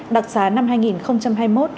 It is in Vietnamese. đặc sá năm hai nghìn hai mươi một